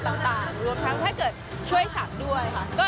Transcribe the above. ต่างรวมทั้งถ้าเกิดช่วยสัตว์ด้วยค่ะ